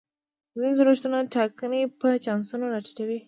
ځینې جوړښتونه ټاکنې په چانسونو را ټیټوي.